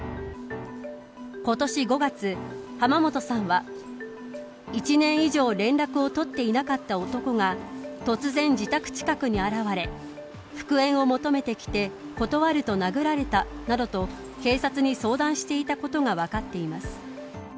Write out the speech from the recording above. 今年５月浜本さんは１年以上連絡を取っていなかった男が突然自宅近くに現れ復縁を求めてきて断ると殴られたなどと警察に相談していたことが分かっています。